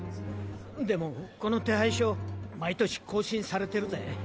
でもこの手配書毎年更新されてるぜ？